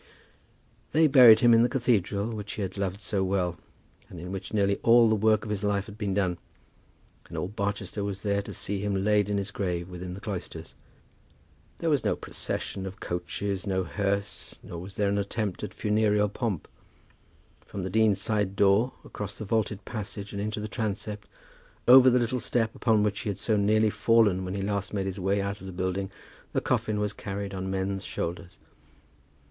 They buried him in the cathedral which he had loved so well, and in which nearly all the work of his life had been done; and all Barchester was there to see him laid in his grave within the cloisters. There was no procession of coaches, no hearse, nor was there any attempt at funereal pomp. From the dean's side door, across the vaulted passage, and into the transept, over the little step upon which he had so nearly fallen when last he made his way out of the building, the coffin was carried on men's shoulders.